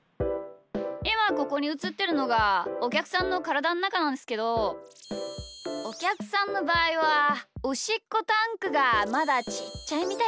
いまここにうつってるのがおきゃくさんのからだのなかなんすけどおきゃくさんのばあいはおしっこタンクがまだちっちゃいみたいっすね。